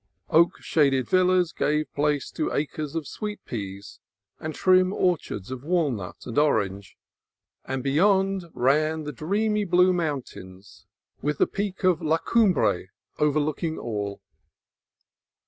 Oak shaded villas gave place to acres of sweet peas and trim orchards of walnut and orange, and beyond ran the dreamy blue mountains with the peak of La Cumbre overlooking all.